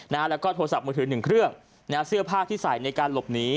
นะฮะแล้วก็โทรศัพท์มือถือหนึ่งเครื่องนะฮะเสื้อผ้าที่ใส่ในการหลบหนี